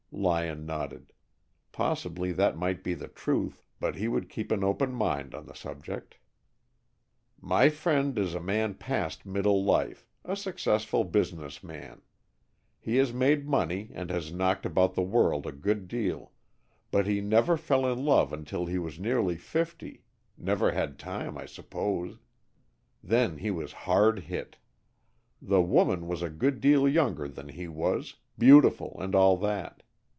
Lyon nodded. Possibly that might be the truth, but he would keep an open mind on the subject. "My friend is a man past middle life, a successful business man. He has made money and has knocked about the world a good deal, but he never fell in love until he was nearly fifty, never had time, I suppose. Then he was hard hit. The woman was a good deal younger than he was, beautiful, and all that.